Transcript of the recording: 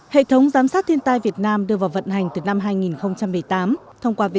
hệ thống giám sát thiên tai việt nam đưa vào vận hành từ năm hai nghìn một mươi tám